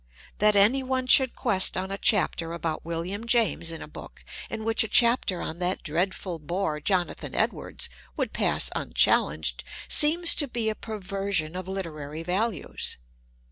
That any one should questf on a chapter about William James in vi Digitized by Google PREFACE a book in which a chapter on that dreadful bor e> Jonathan Edwards, would pass unchallenged, seems to be a perversion of literaiy values.